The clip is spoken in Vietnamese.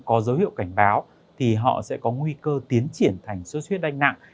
có dấu hiệu cảnh báo thì họ sẽ có nguy cơ tiến triển thành suốt huyết đanh nặng